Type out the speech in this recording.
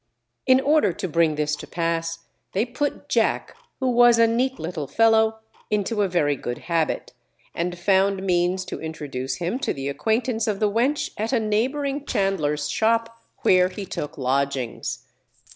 In order to bring this to pass, they put Jack, who was a neat little fellow, into a very good habit, and found means to introduce him to the acquaintance of the wench at a neighbouring chandler's shop, where he took lodgings.